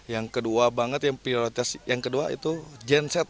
yang kedua banget yang prioritas yang kedua itu genset